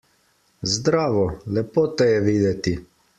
Zdravo! Lepo te je videti!